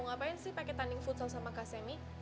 ngapain sih pake tanding futsal sama kak semmy